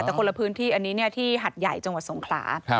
แต่คนละพื้นที่อันนี้ที่หัดใหญ่จังหวัดสงขลา